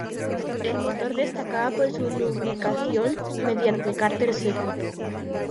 El motor destacaba por su lubricación mediante cárter seco.